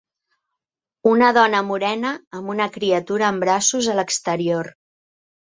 Una dona morena amb una criatura en braços a l'exterior.